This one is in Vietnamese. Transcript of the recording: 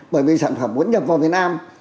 bởi vì sản phẩm muốn nhập vào việt nam